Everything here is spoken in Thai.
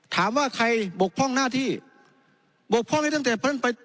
ถามว่าใครบกพอล์งหน้าที่บกพ่อนี่ตั้งแต่พระเจ้าไป